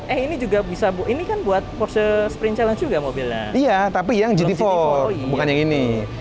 eh ini juga bisa bu ini kan buat porse sprint challenge juga mobilnya iya tapi yang judi empat bukan yang ini